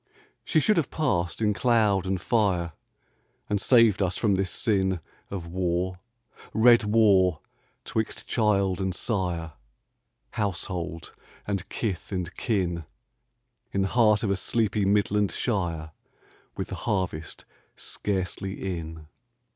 She should have passed in cloud and fire And saved us from this sin Of war — red Avar — 'twixt child and sire, Household and kith and kin, In the heart of a sleepy Midland shire, With the harvest scarcely in.